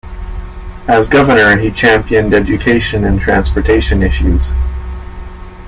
As governor, he championed education and transportation issues.